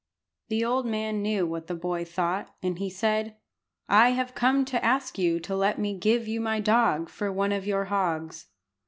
The old man knew what the boy thought, and he said "I have come to ask you to let me give you my dog for one of your hogs."